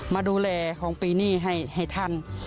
มาดูแลของปีนี้ให้ท่าน